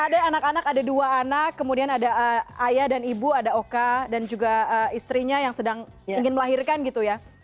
ada anak anak ada dua anak kemudian ada ayah dan ibu ada oka dan juga istrinya yang sedang ingin melahirkan gitu ya